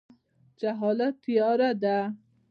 جهالت تیاره ده